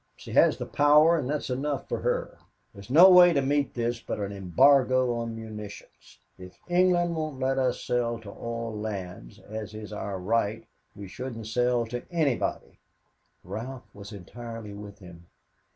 She has the power, and that's enough for her. There is no way to meet this but an embargo on munitions. If England won't let us sell to all lands, as is our right, we shouldn't sell to anybody." Ralph was entirely with him.